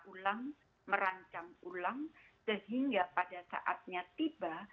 ulang merancang ulang sehingga pada saatnya tiba